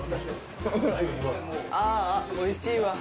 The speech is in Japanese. ああおいしいわ。